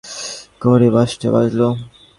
রাজবাড়ির দেউড়ির ঘণ্টায় ঢং ঢং করে দশটা বাজল।